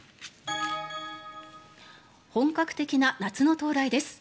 本格的な夏の到来です。